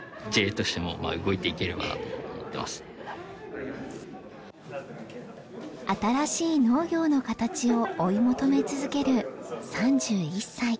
私も結構新しい農業の形を追い求め続ける３１歳。